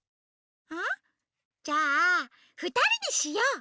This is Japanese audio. あっじゃあふたりでしよう！